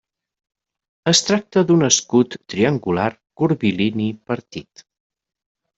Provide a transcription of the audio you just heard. Es tracta d'un escut triangular curvilini partit.